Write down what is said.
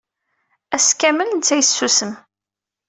Ass kamel, netta yessusem.